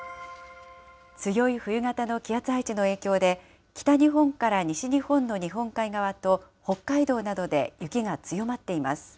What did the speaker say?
強い冬型の気圧配置の影響で、北日本から西日本の日本海側と、北海道などで雪が強まっています。